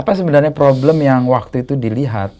apa sebenarnya problem yang waktu itu dilihat